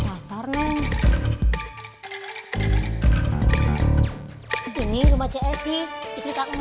iani gak menyanyikan di itu everything